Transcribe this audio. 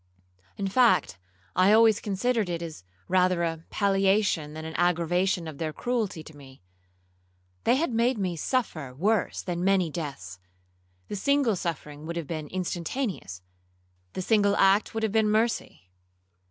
In fact, I always considered it as rather a palliation than an aggravation of their cruelty to me. They had made me suffer worse than many deaths,—the single suffering would have been instantaneous,—the single act would have been mercy.